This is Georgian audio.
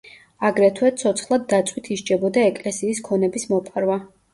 აგრეთვე ცოცხლად დაწვით ისჯებოდა ეკლესიის ქონების მოპარვა.